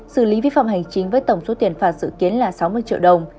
xử lý vi phạm hành chính với tổng số tiền phạt dự kiến là sáu mươi triệu đồng